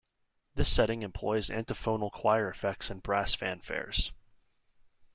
This setting employs antiphonal choir effects and brass fanfares.